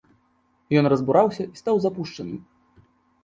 Ён разбураўся і стаў запушчаным.